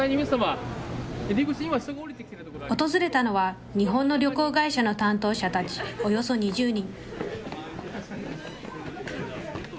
訪れたのは、日本の旅行会社の担当者たち、およそ２０人。